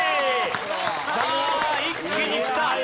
さあ一気にきた。